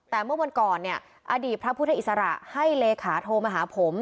แต่เมื่อวันก่อนเนี่ยอดีตพระพุทธอิสระให้เลขาโทรมาหาผม